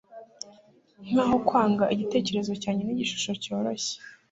nkaho kwanga igitekerezo cyanjye nigishusho cyoroshye